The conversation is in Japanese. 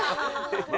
何？